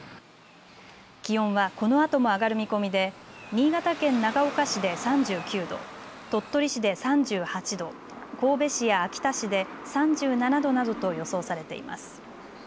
気温はこのあとも上がる見込みで新潟県長岡市で３９度、鳥取市で３８度、神戸市や秋田市で３７度などと予想されています。